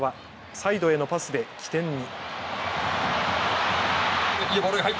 サイドへのパスで起点に。